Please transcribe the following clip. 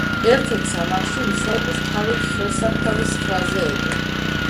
ერთ-ერთ სამარხში მიცვალებულს თავი ხელსაფქვავის ქვაზე ედო.